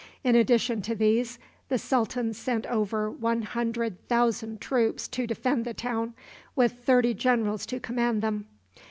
In addition to these, the sultan sent over one hundred thousand troops to defend the town, with thirty generals to command them.